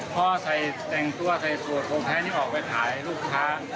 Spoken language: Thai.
พ่อใส่แต่งตัวใส่ตัวโทแพทย์ออกไปถ่ายลูกค้า